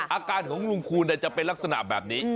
อาการของลุงคูณจะเป็นลักษณะแบบนี้